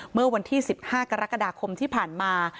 เมื่อวันที่๑๕กรกฎาคมที่ผ่านมา